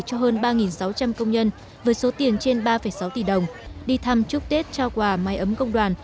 cho hơn ba sáu trăm linh công nhân với số tiền trên ba sáu tỷ đồng đi thăm chúc tết trao quà mai ấm công đoàn